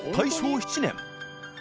７年